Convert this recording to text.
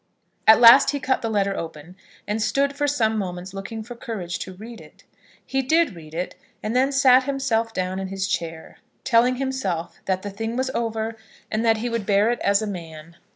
At last he cut the letter open, and stood for some moments looking for courage to read it. He did read it, and then sat himself down in his chair, telling himself that the thing was over, and that he would bear it as a man.